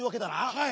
はい！